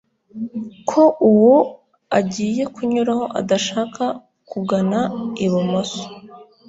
ko uwo agiye kunyuraho adashaka kugana ibumoso